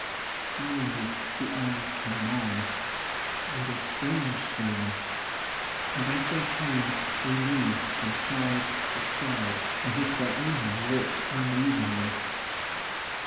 Slowly the eyes came on, with a strange slowness, and as they came they moved from side to side as if their owner walked unevenly.